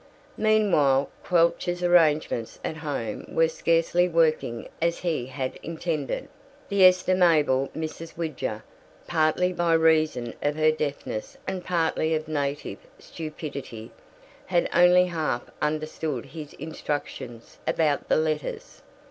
Meanwhile Quelch's arrangements at home were scarcely working as he had intended. The estimable Mrs. Widger, partly by reason of her deafness and partly of native stupidity, had only half understood his instructions about the letters.